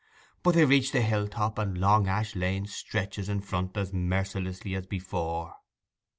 But they reach the hilltop, and Long Ash Lane stretches in front as mercilessly as before.